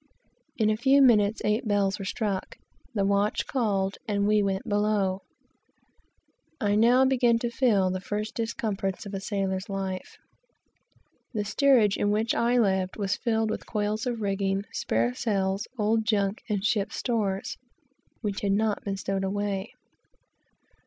In a few minutes eight bells were struck, the watch called, and we went below. I now began to feel the first discomforts of a sailor's life. The steerage in which I lived was filled with coils of rigging, spare sails, old junk and ship stores, which had not been stowed away.